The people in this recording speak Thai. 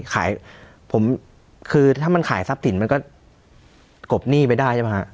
ถ้ามันขายทรัพย์สินก็กบหนี้ไปได้